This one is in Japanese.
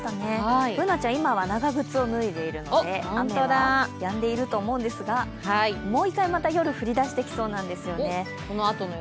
Ｂｏｏｎａちゃん、今は長靴を脱いでいるので、雨はやんでいると思うんですがもう１回また夜降りだしてきそうなんですよね